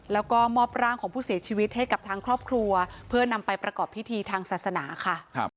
แล้วก็มอบร่างของผู้เสียชีวิตให้กับทางครอบครัวเพื่อนำไปประกอบพิธีทางศาสนาค่ะ